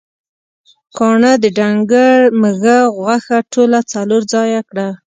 کاڼهٔ د ډنګر مږهٔ غوښه ټوله څلور ځایه کړه.